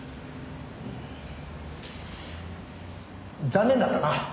残念だったな。